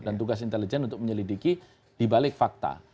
dan tugas intelijen untuk menyelidiki dibalik fakta